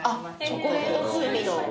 チョコレート風味の。